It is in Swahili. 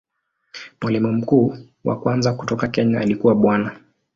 Mwalimu mkuu wa kwanza kutoka Kenya alikuwa Bwana.